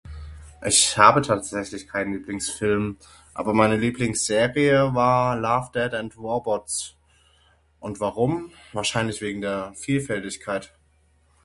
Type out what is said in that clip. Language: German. Ich habe tatsächlich kein Lieblingsfilm aber meine Lieblingsserie war Love Death and Robots und warum? Wahrscheinlich wegen der Vielfältigkeit.